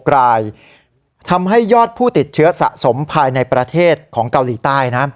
รายทำให้ยอดผู้ติดเชื้อสะสมภายในประเทศของเกาหลีใต้นะ